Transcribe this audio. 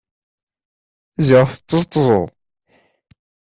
Ziɣ tṭeẓṭeẓeḍ!